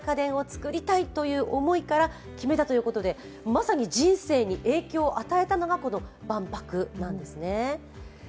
まさに人生に影響を与えたのが、この万博なんですね。